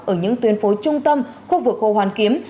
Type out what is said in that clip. ở những tuyên phố trung tâm khu vực khu hoàn kiếm